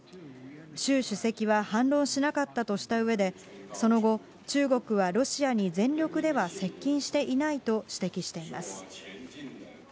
習主席は反論しなかったとしたうえで、その後、中国はロシアに全力では接近していないと指摘しています。